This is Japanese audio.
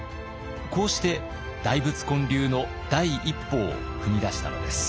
こうして大仏建立の第一歩を踏み出したのです。